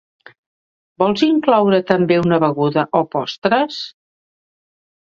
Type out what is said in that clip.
Vols incloure també una beguda o postres?